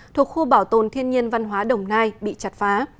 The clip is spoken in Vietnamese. thuộc khu bảo tồn thiên nhiên văn hóa đồng nai bị chặt phá